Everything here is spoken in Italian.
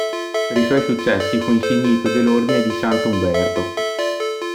Per i suoi successi fu insignito dell'Ordine di Sant'Uberto.